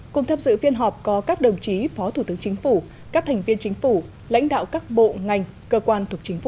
cùng thấp dự phiên họp có các đồng chí phó thủ tướng chính phủ các thành viên chính phủ lãnh đạo các bộ ngành cơ quan thuộc chính phủ